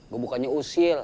gua bukannya usil